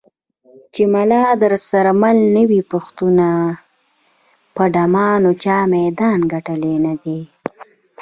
چې ملا درسره مل نه وي پښتونه په ډمانو چا میدان ګټلی نه دی.